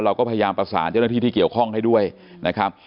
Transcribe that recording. เราก็พยายามประสานเจ้าหน้าที่ที่เกี่ยวข้องให้ด้วยนะครับ